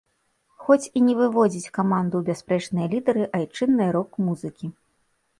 Хоць і не выводзіць каманду ў бясспрэчныя лідары айчыннай рок-музыкі.